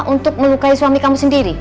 untuk melukai suami sendiri